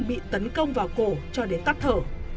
bị tấn công vào cổ cho đến tắt thở